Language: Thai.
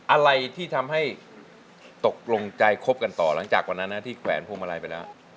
อะไรที่ทำให้ตกลงใจคบกันต่อหลังจากวันนั้นนะที่แขวนพวงมาลัยไปแล้ว